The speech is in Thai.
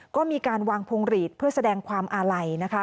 ก็มีการวางพวงหลีดเพื่อแสดงความอาลัยนะคะ